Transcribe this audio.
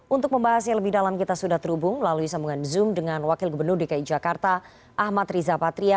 untuk membahas yang lebih dalam kita sudah terhubung melalui sambungan zoom dengan wakil gubernur dki jakarta ahmad riza patria